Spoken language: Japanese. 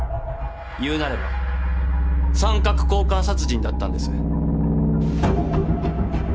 いうなれば三角交換殺人だったんです。